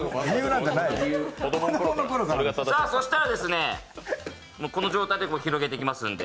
そしたら、この状態で広げていきますんで。